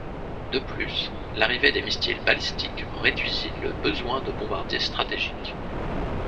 De plus, l'arrivée des missiles balistiques réduisit le besoin de bombardiers stratégiques.